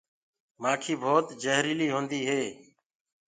مآکي ڀوت جهريلي هوندي هي۔